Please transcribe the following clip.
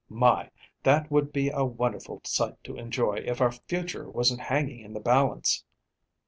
My! that would be a wonderful sight to enjoy if our future wasn't hanging in the balance."